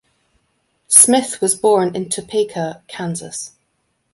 Smith was born in Topeka, Kansas.